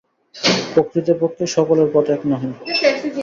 প্রকৃতপক্ষে সকলের পথ এক নহে।